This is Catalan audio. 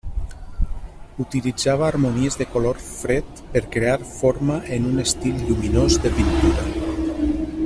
Utilitzava harmonies de color fred per crear forma en un estil lluminós de pintura.